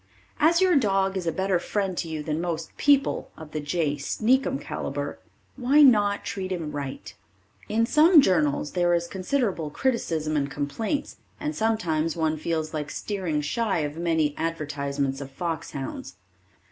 As your dog is a better friend to you than most people of the J. Sneakum caliber, why not treat him right? In some journals there is considerable criticism and complaints, and sometimes one feels like steering shy of many advertisements of fox hounds.